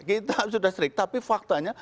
kita sudah strik tapi faktanya